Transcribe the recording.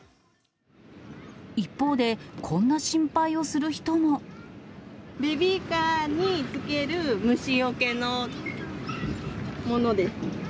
一方で、ベビーカーにつける虫よけのものです。